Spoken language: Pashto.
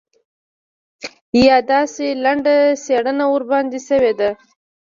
یا داسې لنډه څېړنه ورباندې شوې ده.